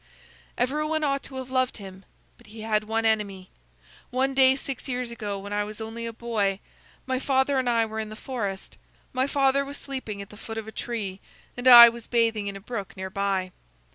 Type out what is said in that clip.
"Every one ought to have loved him; but he had one enemy. One day, six years ago, when I was only a boy, my father and I were in the forest. My father was sleeping at the foot of a tree, and I was bathing in a brook near by.